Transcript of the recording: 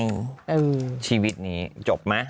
เออชีวิตนี้จบมั้ย